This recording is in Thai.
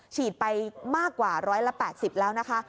ฉีดไปมากกว่า๑๘๐แล้วนะคะ